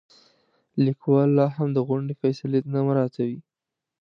لیکوال لاهم د غونډې فیصلې نه مراعاتوي.